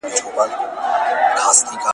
• د خالي دېگ ږغ لوړ وي.